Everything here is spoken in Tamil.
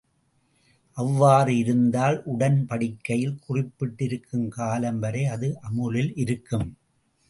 அவ்வாறு இருந்தால், உடன்படிக்கையில் குறிப்பிட்டிருக்கும் காலம் வரை அது அமுலில் இருக்கும்.